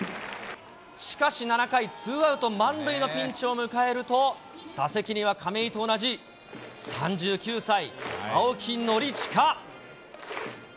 しかし７回、ツーアウト満塁のピンチを迎えると、打席には亀井と同じ３９歳、青木宣親。